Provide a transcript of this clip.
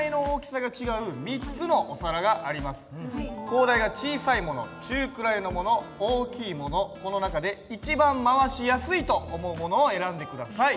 高台が小さいもの中くらいのもの大きいものこの中で一番回しやすいと思うものを選んで下さい。